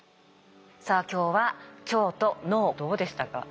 さあ今日は腸と脳どうでしたか？